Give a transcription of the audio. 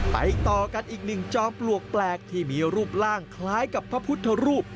ต่อกันอีกหนึ่งจอมปลวกแปลกที่มีรูปร่างคล้ายกับพระพุทธรูป